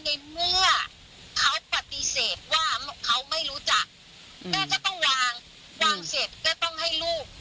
ในเมื่อเขาปฏิเสธว่าเขาไม่รู้จักแม่ก็ต้องวางวางเสร็จก็ต้องให้ลูก